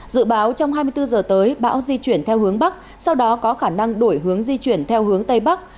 dự báo trong hai mươi bốn giờ tới bão di chuyển theo hướng bắc sau đó có khả năng đổi hướng di chuyển theo hướng tây bắc